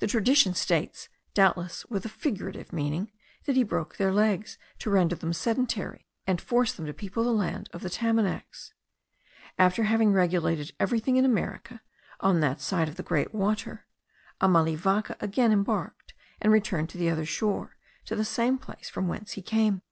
The tradition states, doubtless with a figurative meaning, that he broke their legs, to render them sedentary, and force them to people the land of the Tamanacs. After having regulated everything in America, on that side of the great water, Amalivaca again embarked, and returned to the other shore, to the same place from whence he came.